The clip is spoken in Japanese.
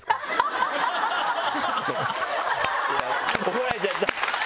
怒られちゃった。